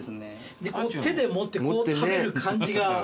手で持って食べる感じが。